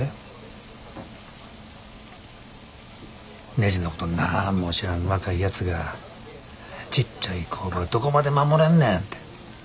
ねじのことなんも知らん若いやつがちっちゃい工場どこまで守れんねて。